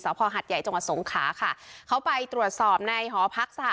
พอหัดใหญ่จังหวัดสงขาค่ะเขาไปตรวจสอบในหอพักสห